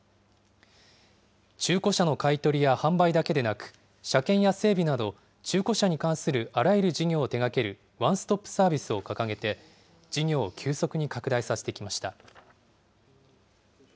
中古車の買い取りや販売だけでなく、車検や整備など中古車に関するあらゆる事業を手がけるワンストップサービスを掲げて、事業を急速に拡大させてきました。